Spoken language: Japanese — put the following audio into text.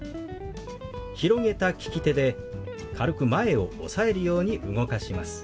広げた利き手で軽く前を押さえるように動かします。